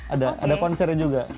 ada ada konsernya juga